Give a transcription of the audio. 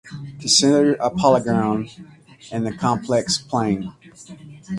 Consider a polygon in the complex plane.